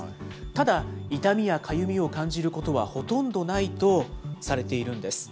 ただ、痛みやかゆみを感じることはほとんどないとされているんです。